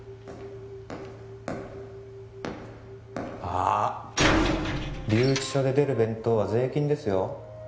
あーっ留置所で出る弁当は税金ですよ